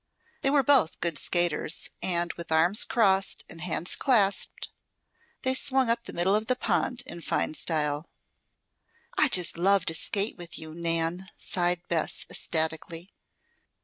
They were both good skaters, and with arms crossed and hands clasped, they swung up the middle of the pond in fine style. "I just love to skate with you, Nan," sighed Bess ecstatically.